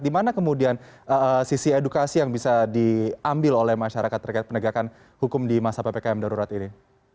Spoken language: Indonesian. di mana kemudian sisi edukasi yang bisa diambil oleh masyarakat terkait penegakan hukum di masa ppkm darurat ini